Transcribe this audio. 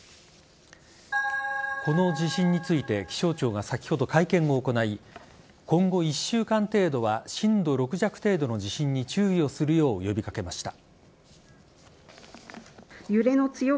この地震について気象庁が先ほど、会見を行い今後１週間程度は震度６弱程度の地震に注意をするよう呼び掛けました。